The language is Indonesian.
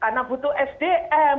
karena butuh sdm